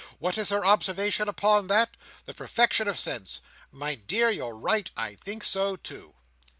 What is her observation upon that? The perfection of sense. 'My dear, you're right. I think so too.